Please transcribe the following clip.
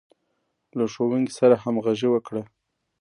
له ښوونکي سره همغږي وکړه.